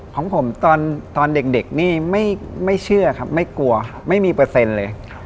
ของผมตอนเด็กนี่ไม่เชื่อครับไม่กลัวไม่มีเปอร์เซ็นต์เลย